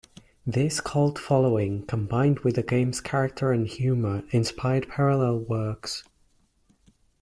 This cult following, combined with the game's character and humor, inspired parallel works.